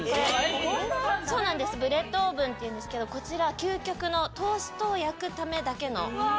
そうなんですブレッドオーブンっていうんですけどこちら究極のトーストを焼くためだけの。